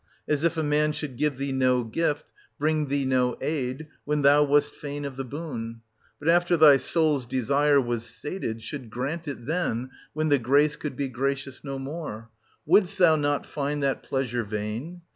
As if a man should give thee no gift, bring thee no aid, when thou wast fain of the boon ; but after thy soul's desire was sated, should grant it then, when the grace could be gracious no more : wouldst thou not find that pleasure 780 vain?